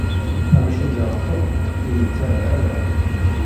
Amcum ireṭṭel-d, ur ittarra ara.